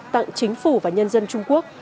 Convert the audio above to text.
tặng chính phủ và nhân dân trung quốc